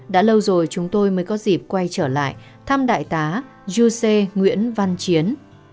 đã lâu rồi chúng tôi mới có dịp quay trở lại thăm đại tá jose nguyễn văn chiến